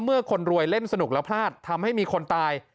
คนรวยเล่นสนุกแล้วพลาดทำให้มีคนตาย